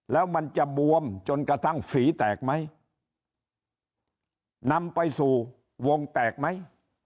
แล้วมันจะบวมจนกระทั่งฝีแตกไหมนำไปสู่วงแตกไหม